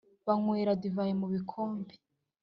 banywera divayi mu bikombe,